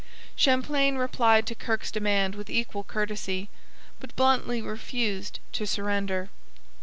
Champlain replied to Kirke's demand with equal courtesy, but bluntly refused to surrender.